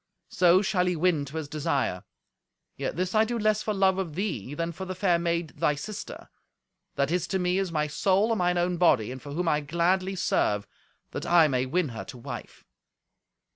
So shall he win to his desire. Yet this I do less for love of thee than for the fair maid, thy sister, that is to me as my soul and mine own body, and for whom I gladly serve, that I may win her to wife."